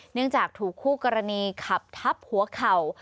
จากถูกคู่กรณีขับทับหัวเข่า